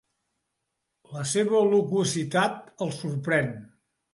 La seva loquacitat el sorprèn.